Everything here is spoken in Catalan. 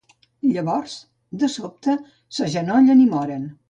Llavors, de sobte, s'agenollen i moren.